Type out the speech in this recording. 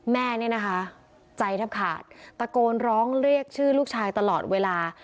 แม่เนี่ยนะคะใจแทบขาดตะโกนร้องเรียกชื่อลูกชายตลอดเวลา